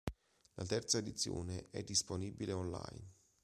La terza edizione è disponibile online.